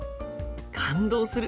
感動する。